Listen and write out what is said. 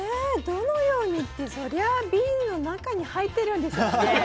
どのように？ってそりゃあビールの中に入ってるんですよね。